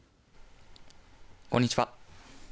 こんにちは。